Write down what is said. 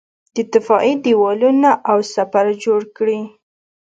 دفاعي دېوالونه او سپر جوړ کړي.